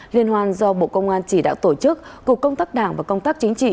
liên hoan do bộ công an chỉ đạo tổ chức cục công tác đảng và công tác chính trị